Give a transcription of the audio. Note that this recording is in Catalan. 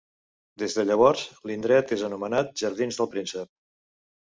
Des de llavors, l'indret és anomenat Jardins del Príncep.